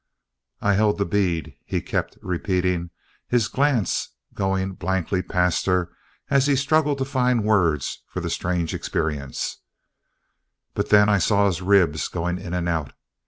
"I held the bead," he kept repeating, his glance going blankly past her as he struggled to find words for the strange experience, "but then I saw his ribs going in and out.